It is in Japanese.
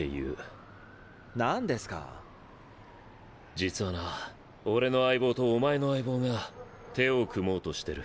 実はな俺の相棒とお前の相棒が手を組もうとしてる。